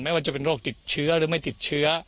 ว่าจะเป็นโรคติดเชื้อหรือไม่ติดเชื้อ